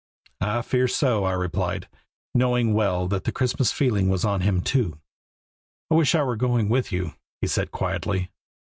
"I fear so," I replied, knowing well that the Christmas feeling was on him, too. "I wish I were going with you," he said quietly.